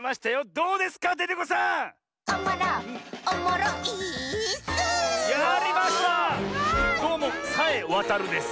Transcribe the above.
どうもさえわたるです。